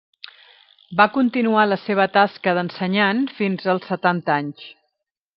Va continuar la seva tasca d'ensenyant fins als setanta anys.